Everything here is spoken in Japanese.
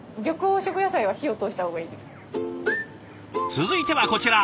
続いてはこちら。